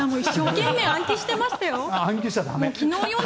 一生懸命暗記していましたよ。